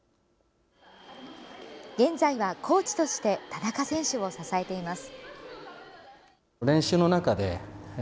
現在はコーチとして田中選手を支えています。